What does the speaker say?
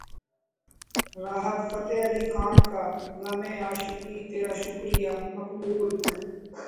راحت فتح علی خان کا غم عاشقی تیرا شکریہ مقبول